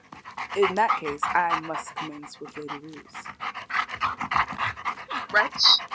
In that case I must commence with Lady Roos." "Wretch!